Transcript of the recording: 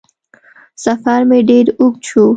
سفر مې ډېر اوږد شو